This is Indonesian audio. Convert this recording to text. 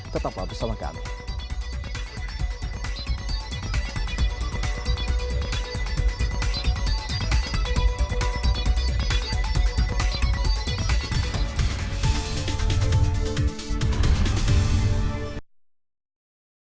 tetap bersama kami